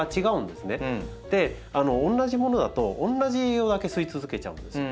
同じものだと同じ栄養だけ吸い続けちゃうんですよ。